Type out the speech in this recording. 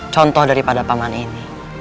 contoh daripada paman ini